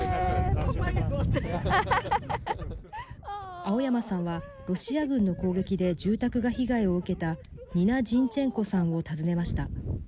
青山さんはロシア軍の攻撃で住宅が被害を受けたニナ・ジンチェンコさんを訪ねました。